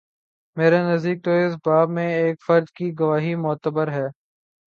میرے نزدیک تواس باب میں ایک فرد کی گواہی معتبر ہے۔